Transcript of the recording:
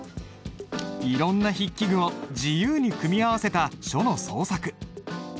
いろんな筆記具を自由に組み合わせた書の創作。